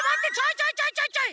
ちょいちょいちょいちょい。